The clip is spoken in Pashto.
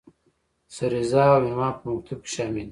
سریزه او عنوان په مکتوب کې شامل دي.